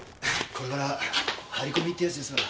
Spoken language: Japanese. これから張り込みってやつですわ。